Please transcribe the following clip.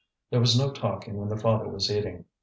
There was no talking when the father was eating.